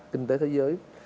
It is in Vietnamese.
kinh tế thế giới